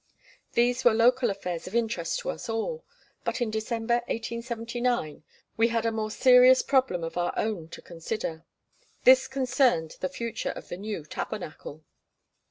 These were local affairs of interest to us all, but in December, 1879, we had a more serious problem of our own to consider. This concerned the future of the new Tabernacle.